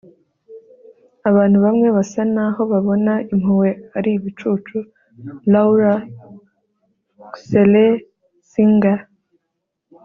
abantu bamwe basa naho babona impuhwe ari ibicucu. - laura schlessinger